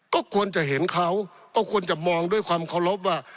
ก็ควรจะเห็นเขาก็ควรจะมองด้วยความเคารพว่า